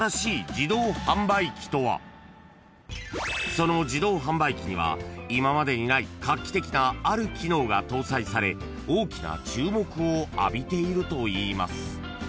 ［その自動販売機には今までにない画期的なある機能が搭載され大きな注目を浴びているといいます］